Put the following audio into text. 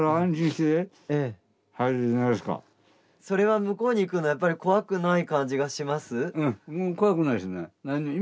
それは向こうにいくのやっぱり怖くない感じがします？